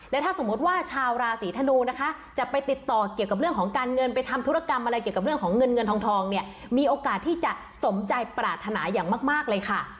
ถ้าสมมติว่าชาวราศีธนูนะคะจะไปติดต่อเกี่ยวกับเรื่องของการเงินไปทำธุรกรรมอะไรเกี่ยวกับเรื่องของเงินเงินทองเนี่ยมีโอกาสที่จะสมใจปรารถนาอย่างมากเลยค่ะ